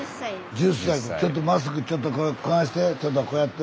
ちょっとマスクちょっとこないしてちょっとこうやって。